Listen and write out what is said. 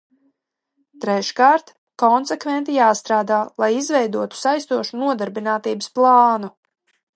Treškārt, konsekventi jāstrādā, lai izveidotu saistošu nodarbinātības plānu.